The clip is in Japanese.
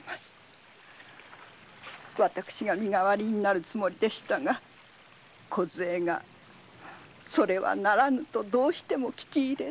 私が身代わりになるつもりでしたがこずえがそれはならぬとどうしても聞き入れず。